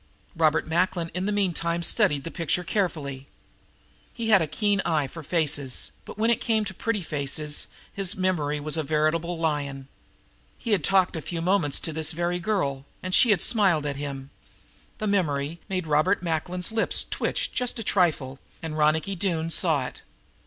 Robert Macklin in the meantime studied the picture carefully. He had a keen eye for faces, but when it came to pretty faces his memory was a veritable lion. He had talked a few moments with this very girl, and she had smiled at him. The memory made Robert Macklin's lips twitch just a trifle, and Ronicky Doone saw it.